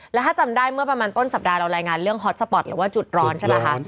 แล้วถ้าจำได้เมื่อประมาณต้นสัปดาห์เรารายงานเรื่องฮอตสปอร์ตหรือว่าจุดร้อนใช่ไหมคะ